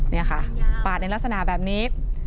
นี่ค่ะปาดในลักษณะแบบนี้